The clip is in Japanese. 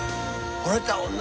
ほれた女。